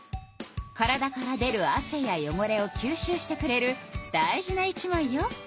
体から出るあせやよごれをきゅうしゅうしてくれる大事な一枚よ。